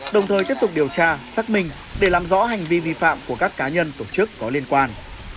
đồng thời tiếp tục điều tra xác minh để làm rõ hành vi vi phạm của các cá nhân tổ chức có liên quan